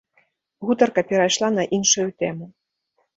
Гутарка перайшла на іншую тэму.